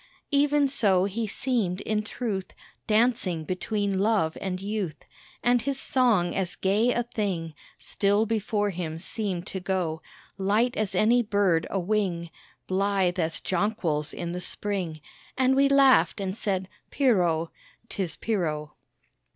Even so he seemed in truth Dancing between Love and Youth; And his song as gay a thing Still before him seemed to go Light as any bird awing, Blithe as jonquils in the Spring, And we laughed and said, "Pierrot, 'Tis Pierrot."